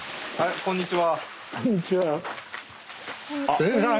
こんにちは。